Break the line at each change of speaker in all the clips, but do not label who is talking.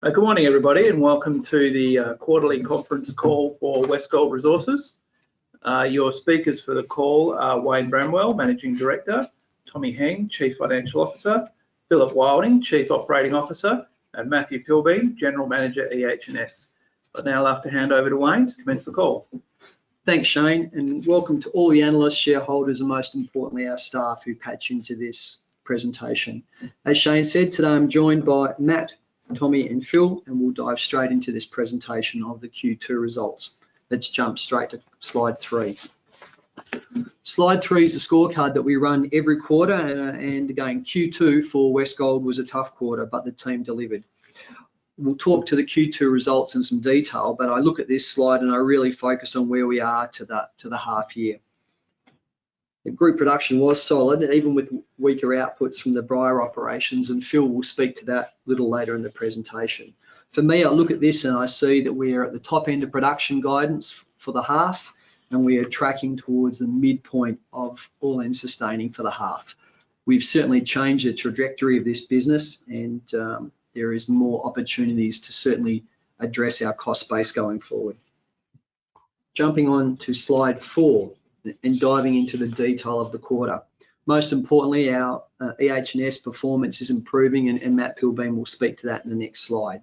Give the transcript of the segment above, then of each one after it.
Good morning, everybody, and welcome to the quarterly conference call for Westgold Resources. Your speakers for the call are Wayne Bramwell, Managing Director, Tommy Heng, Chief Financial Officer, Phillip Wilding, Chief Operating Officer, and Matthew Pilbeam, General Manager, EH&S. I'd now like to hand over to Wayne to commence the call.
Thanks, Shane. Welcome to all the analysts, shareholders, and most importantly, our staff who patch into this presentation. As Shane said, today I'm joined by Matt and Tommy and Phil. We'll dive straight into this presentation of the Q2 results. Let's jump straight to slide three. Slide three is a scorecard that we run every quarter. Again, Q2 for Westgold was a tough quarter. The team delivered. We'll talk to the Q2 results in some detail. I look at this slide and I really focus on where we are to the half year. The group production was solid, even with weaker outputs from the Bryah operations. Phil will speak to that a little later in the presentation. For me, I look at this and I see that we are at the top end of production guidance for the half, and we are tracking towards the midpoint of All-in Sustaining for the half. We've certainly changed the trajectory of this business, and there is more opportunities to certainly address our cost base going forward. Jumping on to slide four and diving into the detail of the quarter. Most importantly, our EH&S performance is improving and Matt Pilbeam will speak to that in the next slide.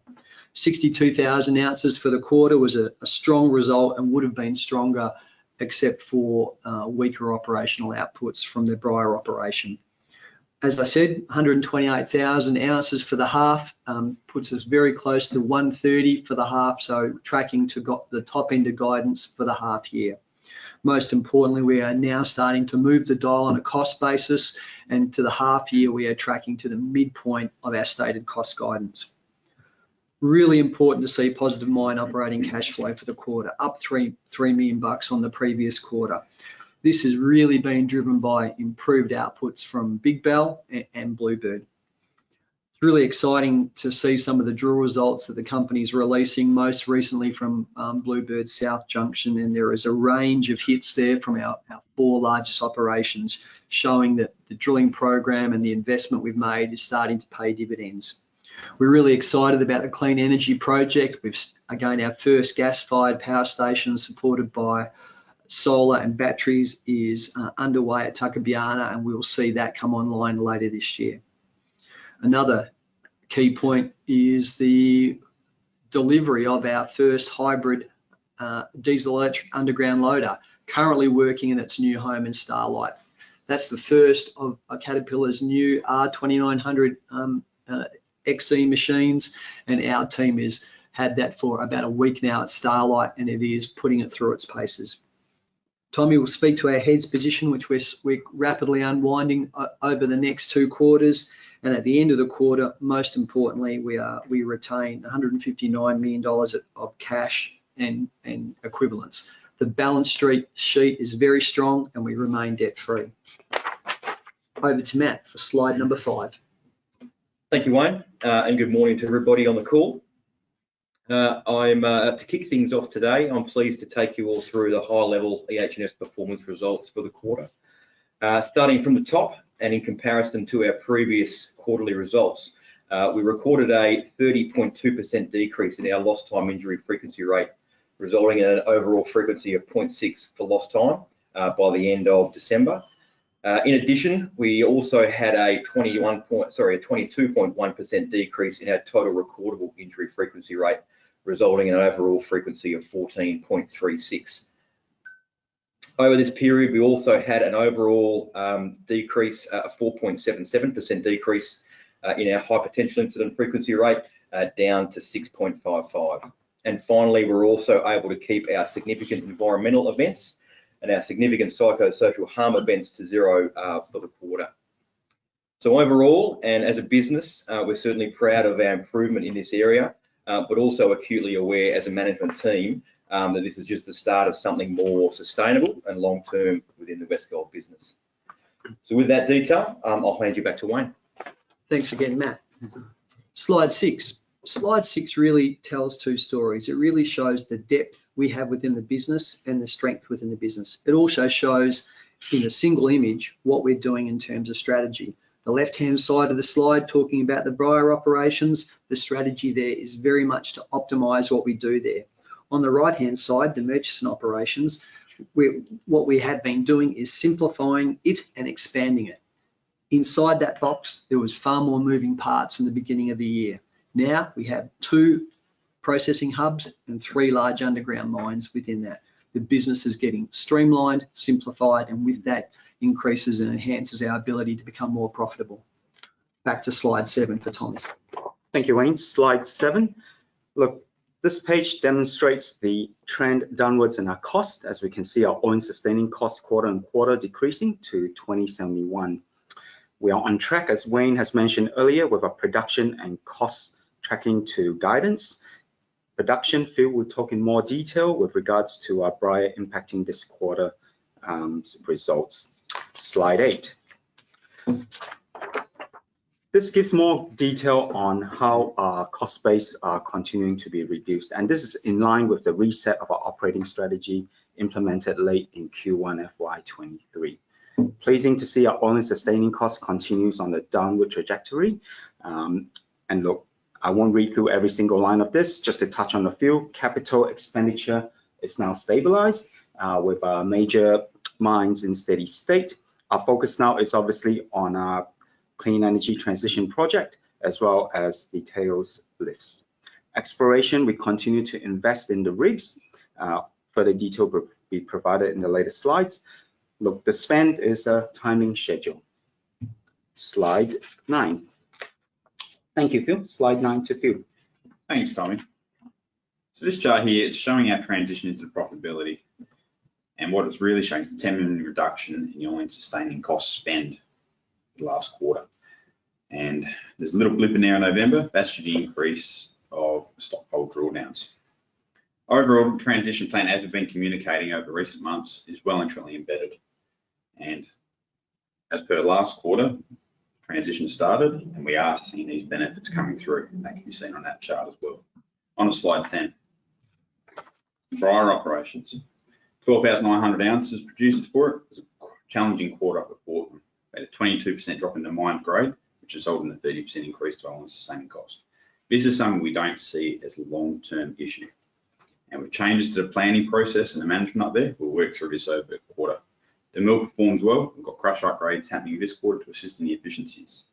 62,000 ounces for the quarter was a strong result and would have been stronger except for weaker operational outputs from the Bryah operation. As I said, 128,000 ounces for the half, puts us very close to 130 for the half, tracking to the top end of guidance for the half year. Most importantly, we are now starting to move the dial on a cost basis, to the half year, we are tracking to the midpoint of our stated cost guidance. Really important to see positive Mine Operating Cash Flow for the quarter, up 3 million bucks on the previous quarter. This has really been driven by improved outputs from Big Bell and Bluebird. It's really exciting to see some of the drill results that the company's releasing most recently from Bluebird South Junction, there is a range of hits there from our four largest operations showing that the drilling program and the investment we've made is starting to pay dividends. We're really excited about the Clean Energy Project. We've again, our first gas-fired power station supported by solar and batteries is underway at Tuckabianna, and we'll see that come online later this year. Another key point is the delivery of our first hybrid diesel-electric underground loader currently working in its new home in Starlight. That's the first of Caterpillar's new R2900 XE machines, and our team has had that for about a week now at Starlight, and it is putting it through its paces. Tommy will speak to our heads position, which we're rapidly unwinding over the next two quarters. At the end of the quarter, most importantly, we are, we retain 159 million dollars of cash and equivalence. The balance sheet is very strong, and we remain debt-free. Over to Matt for slide number five.
Thank you, Wayne. Good morning to everybody on the call. To kick things off today, I'm pleased to take you all through the high-level EH&S performance results for the quarter. Starting from the top and in comparison to our previous quarterly results, we recorded a 30.2% decrease in our Lost Time Injury Frequency Rate, resulting in an overall frequency of 0.6 for lost time by the end of December. In addition, we also had a 22.1% decrease in our Total Recordable Injury Frequency Rate, resulting in an overall frequency of 14.36. Over this period, we also had an overall decrease, a 4.77% decrease in our High Potential Incident Frequency Rate, down to 6.55. Finally, we're also able to keep our significant environmental events and our significant psychosocial harm events to zero for the quarter. Overall, and as a business, we're certainly proud of our improvement in this area, but also acutely aware as a management team, that this is just the start of something more sustainable and long-term within the Westgold business. With that detail, I'll hand you back to Wayne.
Thanks again, Matt.
Mm-hmm.
Slide six. Slide six really tells two stories. It really shows the depth we have within the business and the strength within the business. It also shows in a single image what we're doing in terms of strategy. The left-hand side of the slide, talking about the Bryah operations, the strategy there is very much to optimize what we do there. On the right-hand side, the Murchison operations, what we have been doing is simplifying it and expanding it. Inside that box, there was far more moving parts in the beginning of the year. Now we have two processing hubs and three large underground mines within that. The business is getting streamlined, simplified, and with that increases and enhances our ability to become more profitable. Back to slide seven for Tommy.
Thank you, Wayne. Slide seven. Look, this page demonstrates the trend downwards in our cost. As we can see, our own Sustaining Cost quarter and quarter decreasing to 2,071. We are on track, as Wayne has mentioned earlier, with our production and cost tracking to guidance. Production, Phil will talk in more detail with regards to our Bryah impacting this quarter results. Slide eight. This gives more detail on how our cost base are continuing to be reduced. This is in line with the reset of our operating strategy implemented late in Q1 FY23. Pleasing to see our own Sustaining Cost continues on a downward trajectory. Look, I won't read through every single line of this, just to touch on a few. Capital Expenditure is now stabilized with our major mines in steady state. Our focus now is obviously on our Clean Energy Transition Project, as well as the tailings lifts. Exploration, we continue to invest in the rigs. Further detail will be provided in the later slides. Look, the spend is a timing schedule. Slide nine. Thank you, Phil. Slide nine to Phil.
Thanks, Tommy. This chart here is showing our transition into profitability, and what it's really showing is the 10 million reduction in the All-in Sustaining Cost spend last quarter. There's a little blip in there in November. That's due to the increase of stockpile drawdowns. Overall, the transition plan, as we've been communicating over recent months, is well and truly embedded. As per last quarter, transition started, and we are seeing these benefits coming through, and that can be seen on that chart as well. On to slide 10. Bryah operations. 12,900 ounces produced for it. It was a challenging quarter up at Fortnum. We had a 22% drop in the mine grade, which resulted in a 30% increase to All-in Sustaining Cost. This is something we don't see as a long-term issue. With changes to the planning process and the management up there, we'll work through this over the quarter. The mill performed well. We've got crush upgrades happening this quarter to assist in the efficiencies.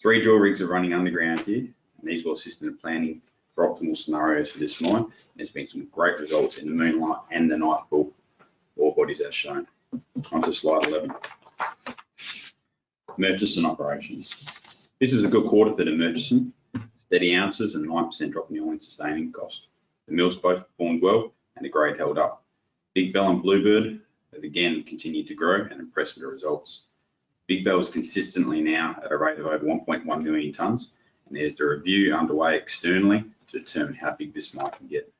Three drill rigs are running underground here. These will assist in the planning for optimal scenarios for this mine. There's been some great results in the Moonlight and the Nighthawk ore bodies as shown. On to slide 11. Murchison operations. This was a good quarter for the Murchison. Steady ounces and a 9% drop in the All-in Sustaining Cost. The mills both performed well. The grade held up. Big Bell and Bluebird have again continued to grow and impress with the results. Big Bell is consistently now at a rate of over 1.1 million tonnes. There's the review underway externally to determine how big this mine can get.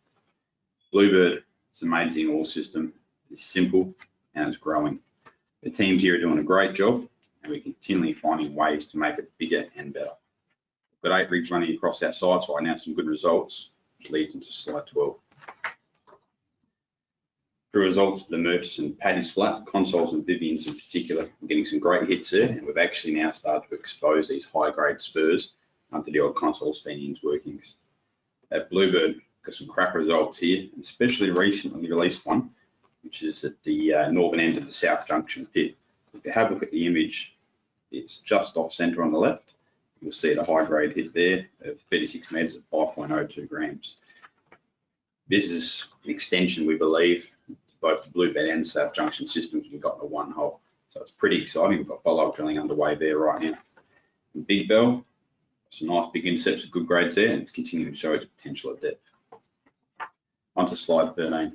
Bluebird, its amazing ore system is simple, and it's growing. The teams here are doing a great job, and we're continually finding ways to make it bigger and better. We've got eight rigs running across our sites right now, some good results, which leads into slide 12. The results at the Murchison Paddy's Flat, Consols and Fenian's in particular, are getting some great hits here. We've actually now started to expose these high-grade spurs under the old Consols and St. Anne's workings. At Bluebird, got some crack results here, and especially recent on the released one, which is at the northern end of the South Junction pit. If you have a look at the image, it's just off center on the left. You'll see the high-grade hit there of 36 m at 4.02 grams. This is an extension, we believe, to both the Bluebird and South Junction systems we've got in the one hole. It's pretty exciting. We've got follow-up drilling underway there right now. Big Bell, some nice big intercepts of good grades there, and it's continuing to show its potential at depth. On to slide 13.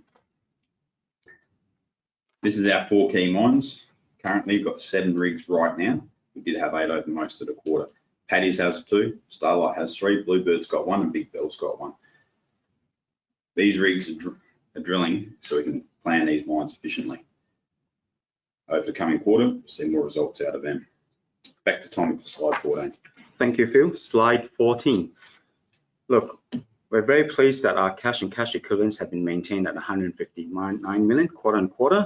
This is our four key mines. Currently, we've got seven rigs right now. We did have eight open most of the quarter. Paddy's has two, Starlight has three, Bluebird's got one, and Big Bell's got one. These rigs are drilling, so we can plan these mines efficiently. Over the coming quarter, we'll see more results out of them. Back to Tommy for slide 14.
Thank you, Phil. Slide 14. We're very pleased that our cash and cash equivalents have been maintained at 159 million quarter on quarter.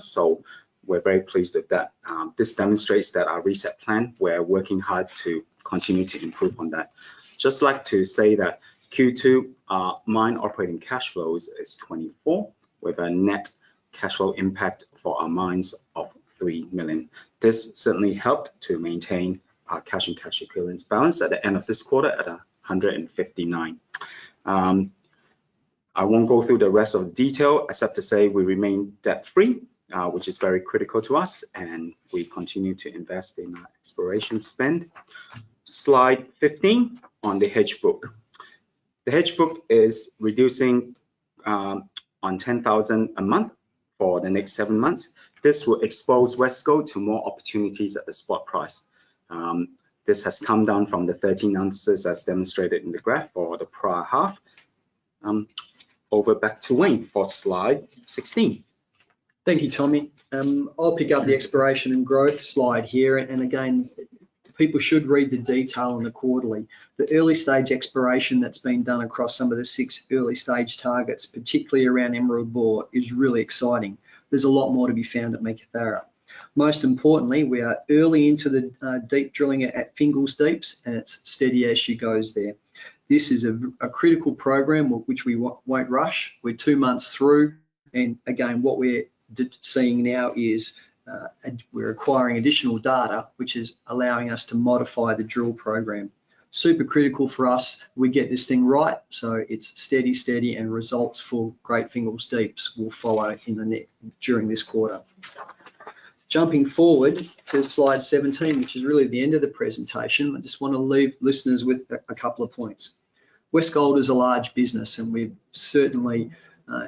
We're very pleased at that. This demonstrates that our reset plan, we're working hard to continue to improve on that. Just like to say that Q2, our mine operating cash flows is 24, with a net cash flow impact for our mines of 3 million. This certainly helped to maintain our cash and cash equivalents balance at the end of this quarter at 159. I won't go through the rest of the detail except to say we remain debt-free, which is very critical to us, and we continue to invest in our exploration spend. Slide 15 on the hedge book. The hedge book is reducing, on 10,000 a month for the next seven7 months. This will expose Westgold to more opportunities at the spot price. This has come down from the 13 ounces as demonstrated in the graph for the prior half. Over back to Wayne for slide 16.
Thank you, Tommy. I'll pick up the exploration and growth slide here. Again, people should read the detail in the quarterly. The early-stage exploration that's been done across some of the six early-stage targets, particularly around Emerald Bore, is really exciting. There's a lot more to be found at Meekatharra. Most importantly, we are early into the deep drilling at Great Fingall Deeps, and it's steady as she goes there. This is a critical program which we won't rush. We're two months through. Again, what we're seeing now is, and we're acquiring additional data, which is allowing us to modify the drill program. Super critical for us. We get this thing right, so it's steady, and results for Great Fingall Deeps will follow during this quarter. Jumping forward to slide 17, which is really the end of the presentation, I just want to leave listeners with a couple of points. Westgold is a large business. We've certainly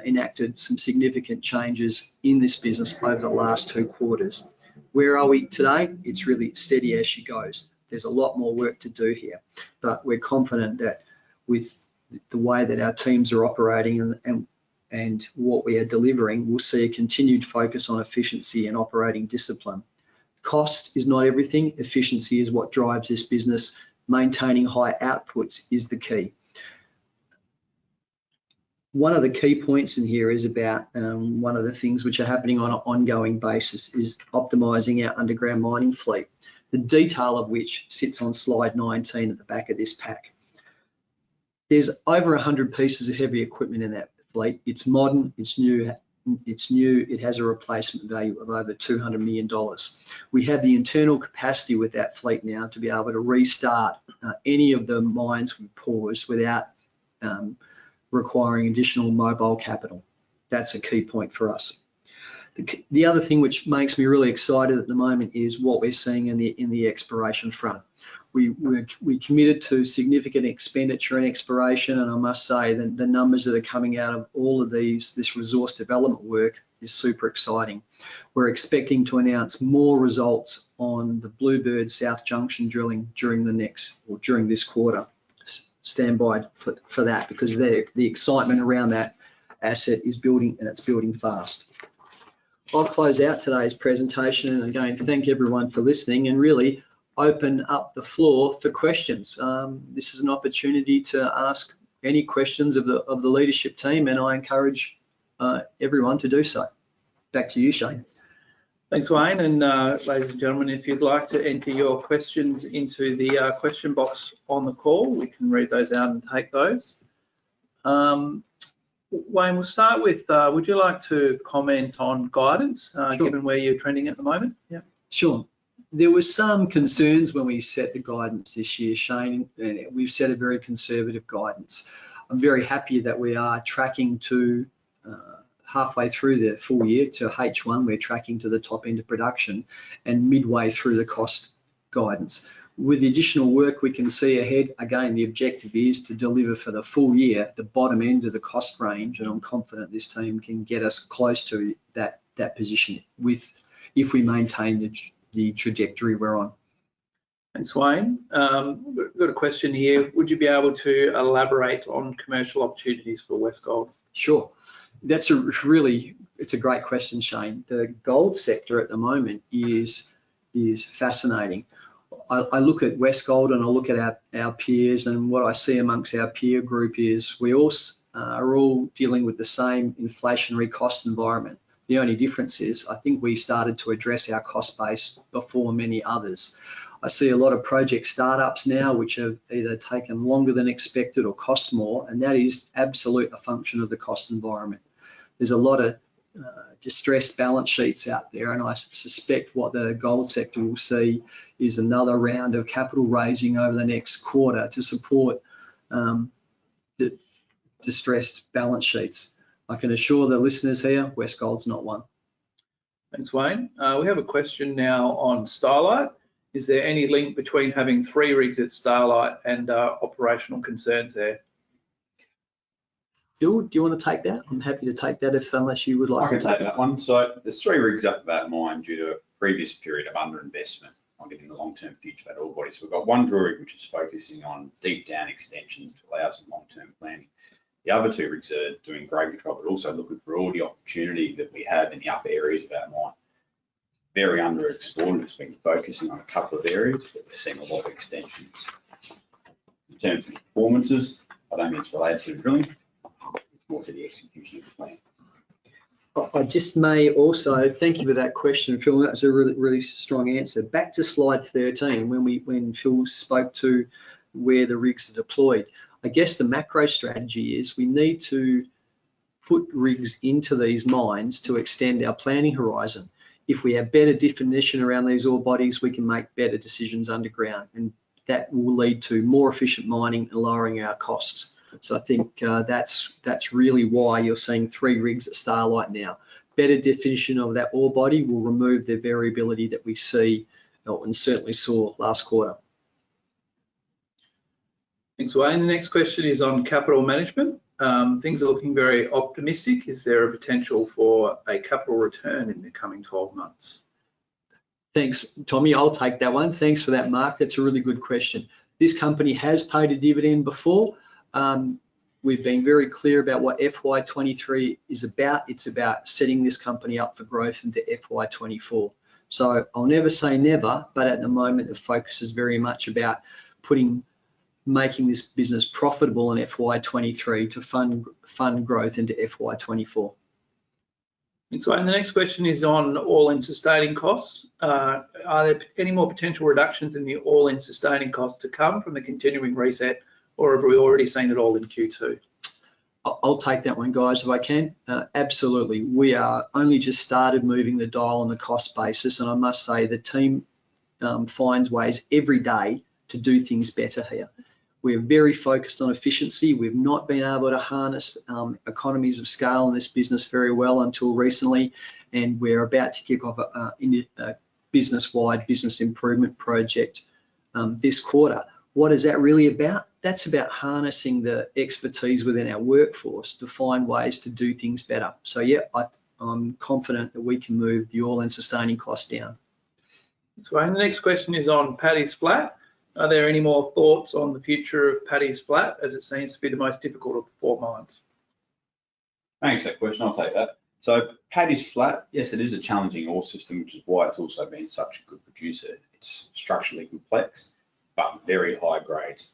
enacted some significant changes in this business over the last two quarters. Where are we today? It's really steady as she goes. There's a lot more work to do here. We're confident that with the way that our teams are operating and what we are delivering, we'll see a continued focus on efficiency and operating discipline. Cost is not everything. Efficiency is what drives this business. Maintaining high outputs is the key. One of the key points in here is about one of the things which are happening on an ongoing basis is optimizing our underground mining fleet. The detail of which sits on slide 19 at the back of this pack. There's over 100 pieces of heavy equipment in that fleet. It's modern, it's new, it has a replacement value of over 200 million dollars. We have the internal capacity with that fleet now to be able to restart any of the mines we pause without requiring additional mobile capital. That's a key point for us. The other thing which makes me really excited at the moment is what we're seeing in the exploration front. We committed to significant expenditure and exploration, and I must say that the numbers that are coming out of all of these, this resource development work is super exciting. We're expecting to announce more results on the Bluebird South Junction drilling during the next or during this quarter. Standby for that because the excitement around that asset is building and it's building fast. I'll close out today's presentation, and again, thank everyone for listening and really open up the floor for questions. This is an opportunity to ask any questions of the leadership team, and I encourage everyone to do so. Back to you, Shane.
Thanks, Wayne, and ladies and gentlemen, if you'd like to enter your questions into the question box on the call, we can read those out and take those. Wayne, we'll start with, would you like to comment on guidance?
Sure...
given where you're trending at the moment? Yep.
Sure. There were some concerns when we set the guidance this year, Shane. We've set a very conservative guidance. I'm very happy that we are tracking to halfway through the full year to H1. We're tracking to the top end of production and midway through the cost guidance. With the additional work we can see ahead, again, the objective is to deliver for the full year at the bottom end of the cost range, and I'm confident this team can get us close to that position with if we maintain the trajectory we're on.
Thanks, Wayne. We've got a question here. Would you be able to elaborate on commercial opportunities for Westgold?
Sure. It's a great question, Shane. The gold sector at the moment is fascinating. I look at Westgold, and I look at our peers, and what I see amongst our peer group is we are all dealing with the same inflationary cost environment. The only difference is, I think we started to address our cost base before many others. I see a lot of project startups now which have either taken longer than expected or cost more, and that is absolute a function of the cost environment. There's a lot of distressed balance sheets out there, and I suspect what the gold sector will see is another round of capital raising over the next quarter to support the distressed balance sheets. I can assure the listeners here, Westgold's not one.
Thanks, Wayne. We have a question now on Starlight. Is there any link between having three rigs at Starlight and operational concerns there?
Phil, do you wanna take that? I'm happy to take that unless you would like to take that.
I can take that one. There's three rigs up that mine due to a previous period of underinvestment. I'm getting the long-term future of that ore body. We've got one drill rig, which is focusing on deep down extensions to allow some long-term planning. The other two rigs are doing Grade Control, but also looking for all the opportunity that we have in the upper areas of our mine. Very underexplored. We've been focusing on a couple of areas. We're seeing a lot of extensions. In terms of performances, I don't think it's related to drilling. It's more to the execution of the plan.
I just may also. Thank you for that question, Phil. That was a really, really strong answer. Back to slide 13 when Phil spoke to where the rigs are deployed. I guess the macro strategy is we need to put rigs into these mines to extend our planning horizon. If we have better definition around these ore bodies, we can make better decisions underground, and that will lead to more efficient mining and lowering our costs. I think that's really why you're seeing three rigs at Starlight now. Better definition of that ore body will remove the variability that we see and certainly saw last quarter.
Thanks, Wayne. The next question is on capital management. Things are looking very optimistic. Is there a potential for a capital return in the coming 12 months?
Thanks, Tommy. I'll take that one. Thanks for that, Mark. That's a really good question. This company has paid a dividend before. We've been very clear about what FY23 is about. It's about setting this company up for growth into FY24. I'll never say never, but at the moment the focus is very much about putting, making this business profitable in FY23 to fund growth into FY24.
Thanks, Wayne. The next question is on All-in Sustaining Costs. Are there any more potential reductions in the All-in Sustaining Costs to come from the continuing reset, or have we already seen it all in Q2?
I'll take that one, guys, if I can. Absolutely. We are only just started moving the dial on the cost basis. I must say the team finds ways every day to do things better here. We're very focused on efficiency. We've not been able to harness economies of scale in this business very well until recently. We're about to kick off a business wide business improvement project this quarter. What is that really about? That's about harnessing the expertise within our workforce to find ways to do things better. Yeah, I'm confident that we can move the All-in Sustaining Cost down.
Thanks, Wayne. The next question is on Paddy's Flat. Are there any more thoughts on the future of Paddy's Flat, as it seems to be the most difficult of the four mines?
Thanks for that question. I'll take that. Paddy's Flat, yes, it is a challenging ore system, which is why it's also been such a good producer. It's structurally complex but very high grades.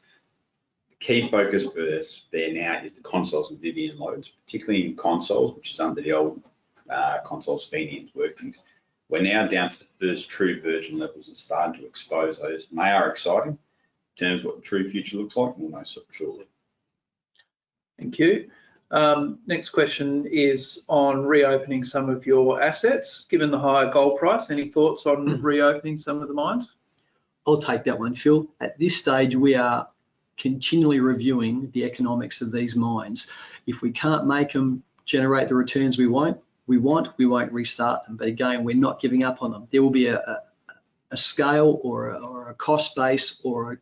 The key focus for us there now is the Consols and Fenian's lodes, particularly in Consols, which is under the old, Consols and Fenian's. We're now down to the first true virgin levels and starting to expose those, and they are exciting. In terms of what the true future looks like, we'll know so shortly.
Thank you. Next question is on reopening some of your assets. Given the higher gold price, any thoughts on reopening some of the mines?
I'll take that one, Phil. At this stage, we are continually reviewing the economics of these mines. If we can't make them generate the returns we want, we won't restart them. Again, we're not giving up on them. There will be a scale or a cost base or a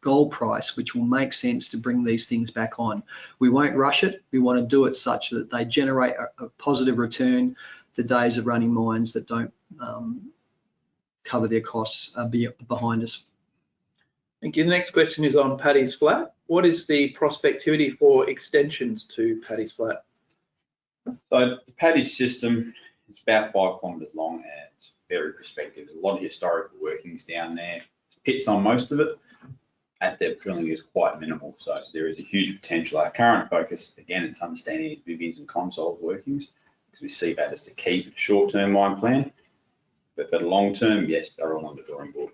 gold price, which will make sense to bring these things back on. We won't rush it. We wanna do it such that they generate a positive return. The days of running mines that don't cover their costs, be behind us.
Thank you. The next question is on Paddy's Flat. What is the prospectivity for extensions to Paddy's Flat?
The Paddy's system is about 5 km long, and it's very prospective. There's a lot of historical workings down there. It sits on most of it. At depth, drilling is quite minimal, so there is a huge potential. Our current focus, again, it's understanding its Vivians-Consols workings because we see that as the key short-term mine plan. For the long term, yes, they're all on the drawing board.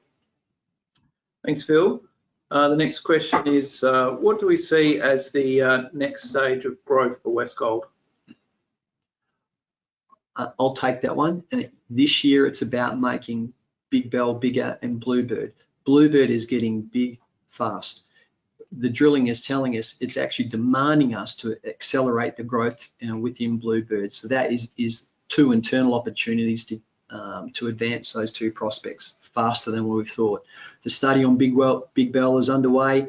Thanks, Phil. The next question is, what do we see as the next stage of growth for Westgold?
I'll take that one. This year it's about making Big Bell bigger and Bluebird. Bluebird is getting big fast. The drilling is telling us it's actually demanding us to accelerate the growth, you know, within Bluebird. That is two internal opportunities to advance those two prospects faster than what we thought. The study on Big Bell, Big Bell is underway.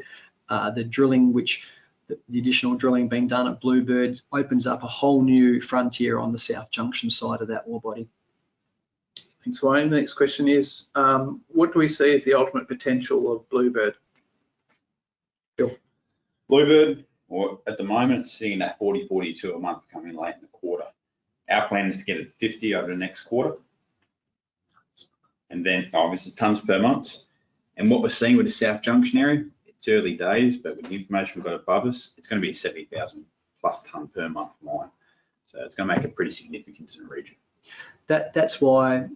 The drilling which the additional drilling being done at Bluebird opens up a whole new frontier on the south junction side of that ore body.
Thanks, Wayne. The next question is, what do we see as the ultimate potential of Bluebird? Phil.
Bluebird, or at the moment, seeing that 40-42 a month come in late in the quarter. Our plan is to get it 50 over the next quarter. Oh, this is tons per month. What we're seeing with the south junction area, it's early days, but with the information we've got above us, it's gonna be a 70,000 plus ton per month mine. It's gonna make it pretty significant in the region.
That's why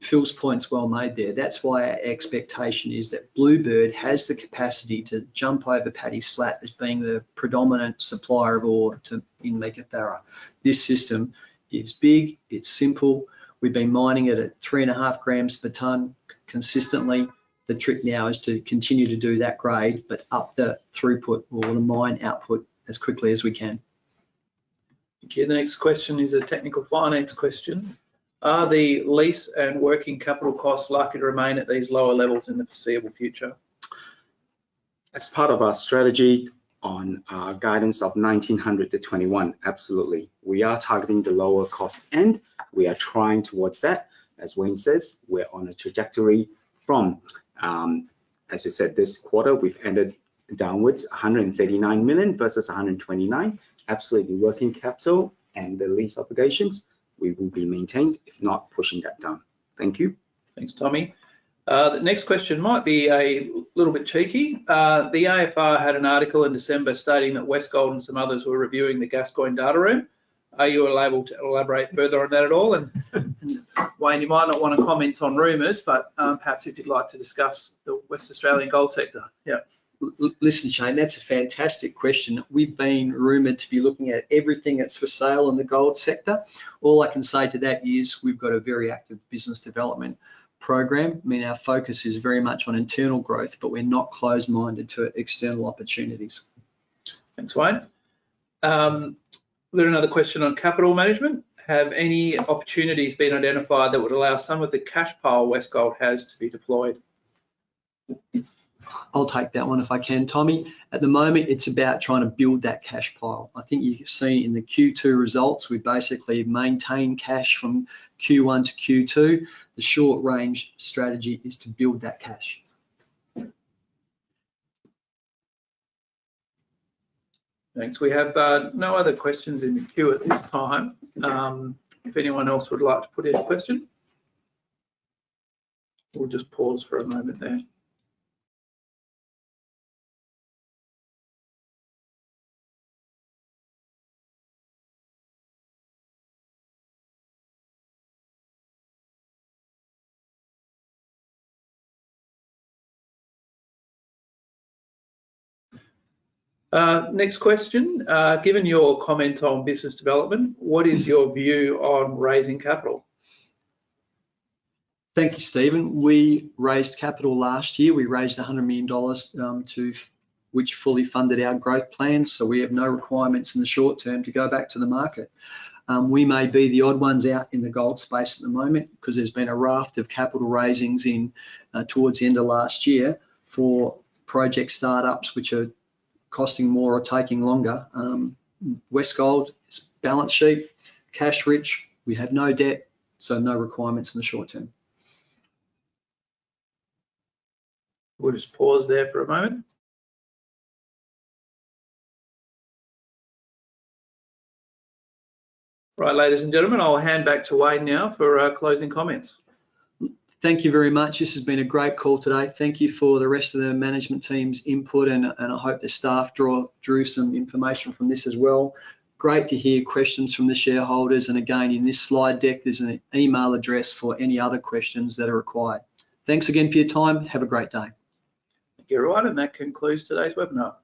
Phil's point's well made there. That's why our expectation is that Bluebird has the capacity to jump over Paddy's Flat as being the predominant supplier of ore to, in Meekatharra. This system is big, it's simple. We've been mining it at three and a half grams per ton consistently. The trick now is to continue to do that grade but up the throughput. We wanna mine output as quickly as we can.
Okay. The next question is a technical finance question. Are the lease and working capital costs likely to remain at these lower levels in the foreseeable future?
As part of our strategy on our guidance of 1,900-2,100 absolutely. We are targeting the lower cost end. We are trying towards that. As Wayne says, we're on a trajectory from, as you said, this quarter we've ended downwards 139 million versus 129 million. Absolutely, working capital and the lease obligations, we will be maintained, if not pushing that down. Thank you.
Thanks, Tommy. The next question might be a little bit cheeky. The AFR had an article in December stating that Westgold and some others were reviewing the Gascoyne data room. Are you allowed to elaborate further on that at all? Wayne, you might not wanna comment on rumors, but, perhaps if you'd like to discuss the West Australian gold sector, yeah?
Listen, Shane, that's a fantastic question. We've been rumored to be looking at everything that's for sale in the gold sector. All I can say to that is we've got a very active business development program. I mean, our focus is very much on internal growth, but we're not closed-minded to external opportunities.
Thanks, Wayne. We've got another question on capital management. Have any opportunities been identified that would allow some of the cash pile Westgold has to be deployed?
I'll take that one if I can, Tommy. At the moment, it's about trying to build that cash pile. I think you've seen in the Q2 results, we basically maintain cash from Q1 to Q2. The short range strategy is to build that cash.
Thanks. We have no other questions in the queue at this time. If anyone else would like to put in a question. We'll just pause for a moment there. Next question. Given your comment on business development, what is your view on raising capital?
Thank you, Steven. We raised capital last year. We raised 100 million dollars, which fully funded our growth plan, so we have no requirements in the short term to go back to the market. We may be the odd ones out in the gold space at the moment because there's been a raft of capital raisings in towards the end of last year for project startups, which are costing more or taking longer. Westgold is balance sheet, cash rich. We have no debt, so no requirements in the short term.
We'll just pause there for a moment. Right, ladies and gentlemen, I'll hand back to Wayne now for closing comments.
Thank you very much. This has been a great call today. Thank you for the rest of the management team's input, and I hope the staff drew some information from this as well. Great to hear questions from the shareholders. Again, in this slide deck, there's an e-mail address for any other questions that are required. Thanks again for your time. Have a great day.
Thank you, everyone. That concludes today's webinar.